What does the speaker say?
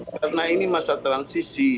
karena ini masa transisi